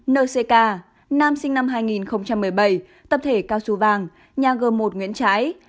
nck nam sinh năm hai nghìn một mươi bảy tập thể cao su vàng nhà g một nguyễn trãi